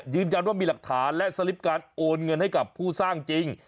ยืนยันว่ามีหลักฐานและสลิปการโอนเงินให้กับผู้สร้างจริง